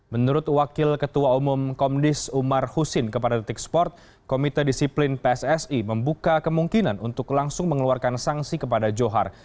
menurut wakil ketua umum komdis umar husin kepada detik sport komite disiplin pssi membuka kemungkinan untuk langsung mengeluarkan sanksi kepada johar